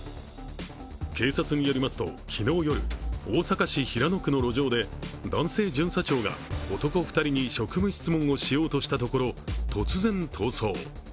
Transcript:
警察によりますと昨日夜大阪市平野区の路上で男性巡査長が男２人に職務質問をしようとしたところ、突然逃走。